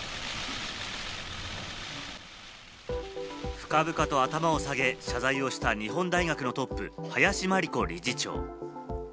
深々と頭を下げ謝罪をした日本大学のＴＯＰ・林真理子理事長。